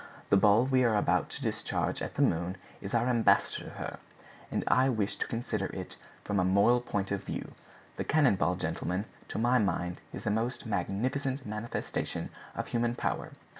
The ball we are about to discharge at the moon is our ambassador to her, and I wish to consider it from a moral point of view. The cannon ball, gentlemen, to my mind, is the most magnificent manifestation of human power.